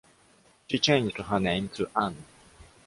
She changed her name to Ann.